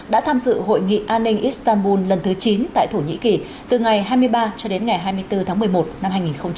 đã tham dự hội nghị an ninh istanbul lần thứ chín tại thổ nhĩ kỳ từ ngày hai mươi ba cho đến ngày hai mươi bốn tháng một mươi một năm hai nghìn hai mươi